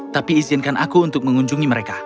tapi izinkan aku untuk mengunjungi mereka